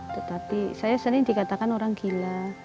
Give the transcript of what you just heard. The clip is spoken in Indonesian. tetapi saya sering dikatakan orang gila